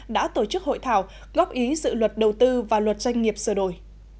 đã tổ chức hội thảo góp ý dự luật đầu tư và luật doanh nghiệp sửa đổi